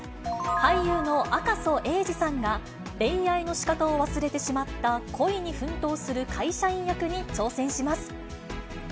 俳優の赤楚衛二さんが、恋愛のしかたを忘れてしまった恋に奮闘する会社員役に挑戦します。